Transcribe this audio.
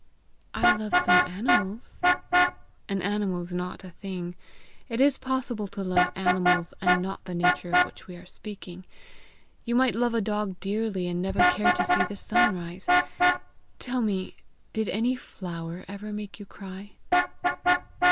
"I love some animals." "An animal is not a thing. It is possible to love animals and not the nature of which we are speaking. You might love a dog dearly, and never care to see the sun rise! Tell me, did any flower ever make you cry?